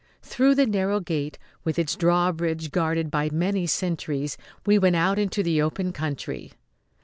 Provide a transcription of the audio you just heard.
Through the narrow gate, with its drawbridge guarded by many sentries, we went out into the open country.